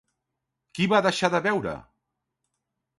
Qui va deixar de veure?